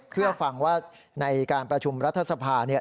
เพื่อฟังว่าในการประชุมรัฐสภาเนี่ย